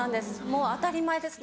もう当たり前です。